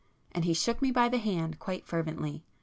And he shook me by the hand quite fervently.